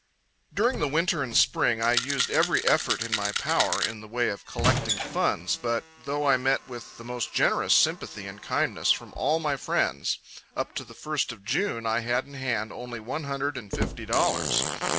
During the winter and spring, I used every effort in my power in the way of collecting funds, but, though I met with the most generous sympathy and kindness from all my friends up to the 1st of June I had in hand only one hundred and fifty dollars.